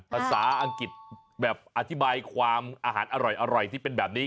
ภาษาอังกฤษแบบอธิบายความอาหารอร่อยที่เป็นแบบนี้